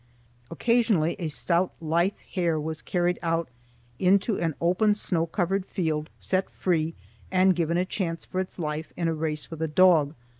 Occasionally a stout, lithe hare was carried out into an open snow covered field, set free, and given a chance for its life in a race with a dog.